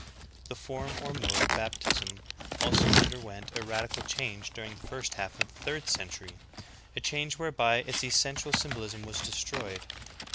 ' 13. The form or mode of baptism also underwent a radical change during the first half of the third century, — a change whereby its essential symbolism was destroyed.